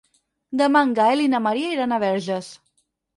Demà en Gaël i na Maria iran a Verges.